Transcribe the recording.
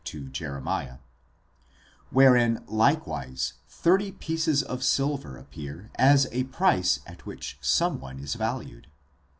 to Jeremiah), wherein likewise thirty pieces of silver appear as a price at which some one is valued.